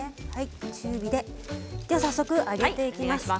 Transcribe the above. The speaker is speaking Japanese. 中火で早速、揚げていきます。